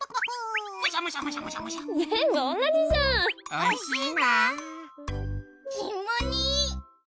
おいしいな。